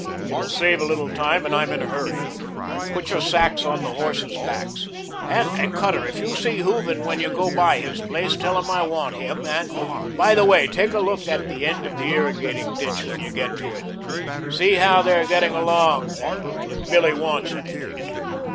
It will save a little time and I am in a hurry. Put your sacks on the horses' backs. And, Cutter, if you see Hooven when you go by his place, tell him I want him, and, by the way, take a look at the end of the irrigating ditch when you get to it. See how they are getting along there and if Billy wants anything.